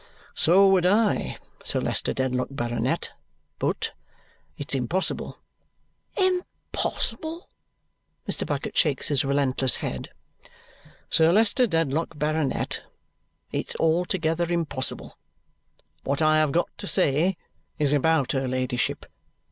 "So would I, Sir Leicester Dedlock, Baronet, but it's impossible." "Impossible?" Mr. Bucket shakes his relentless head. "Sir Leicester Dedlock, Baronet, it's altogether impossible. What I have got to say is about her ladyship.